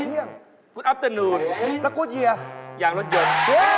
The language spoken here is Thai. เฮ้ยป้าบอกว่าสวัสดียังรถยนต์